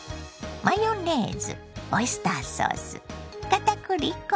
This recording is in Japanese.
マヨネーズオイスターソースかたくり粉